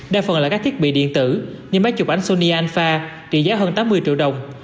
đa phần là các thiết bị điện tử như máy chụp ảnh sonyanfa trị giá hơn tám mươi triệu đồng